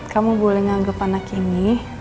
kamu boleh nganggep anak ini